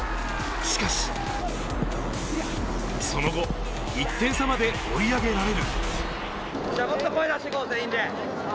しかしその後、１点差まで追い上げられる。